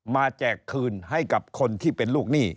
แจกคืนให้กับคนที่เป็นลูกหนี้